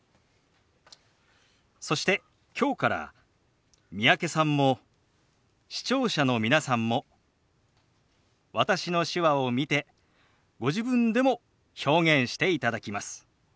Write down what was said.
そしてきょうから三宅さんも視聴者の皆さんも私の手話を見てご自分でも表現していただきます。